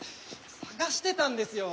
捜してたんですよ。